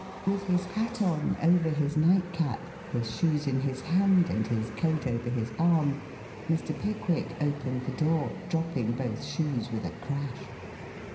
With his hat on over his nightcap, his shoes in his hand and his coat over his arm, Mr. Pickwick opened the door, dropping both shoes with a crash.